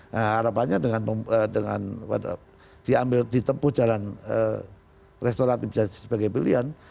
nah harapannya dengan diambil ditempuh jalan restoratif sebagai pilihan